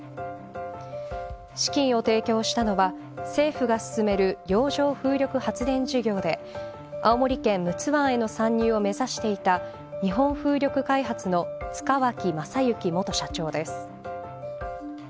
資金を提供したのは政府が進める洋上風力発電事業で青森県陸奥湾への参入を目指していた日本風力開発の塚脇正幸元社長です。